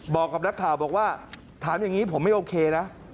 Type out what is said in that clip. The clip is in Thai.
บอกกับนักข่าวบอกว่าถามอย่างนี้ผมไม่โอเคนะ